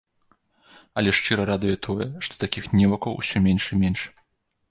Але шчыра радуе тое, што такіх невукаў усё менш і менш.